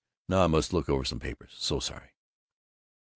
Now I must look over some papers So sorry."